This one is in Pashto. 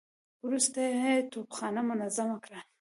وروسته يې توپخانه منظمه کړه.